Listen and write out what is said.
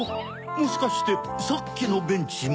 もしかしてさっきのベンチも？